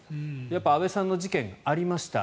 やっぱり安倍さんの事件がありました